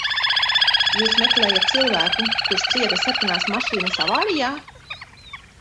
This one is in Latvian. Jūs meklējat cilvēku, kurš cieta sarkanās mašīnas avārijā?